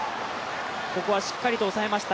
ここはしっかりと抑えました。